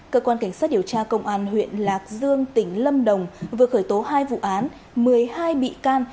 cơ quan cảnh sát điều tra công an huyện lạc dương tỉnh lâm đồng vừa khởi tố hai vụ án một mươi hai bị can